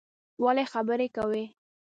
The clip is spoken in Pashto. ولی خبری کوی